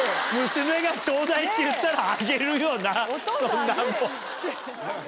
娘がちょうだいって言ったらあげるよなそんなもん。